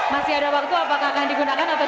masih ada waktu apakah akan digunakan atau